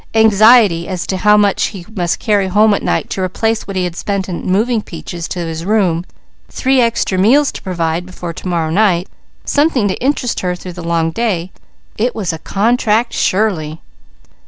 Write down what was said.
Anxiety as to how much he must carry home at night to replace what he had spent in moving Peaches to his room, three extra meals to provide before to morrow night, something to interest her through the long day: it was a contract, surely!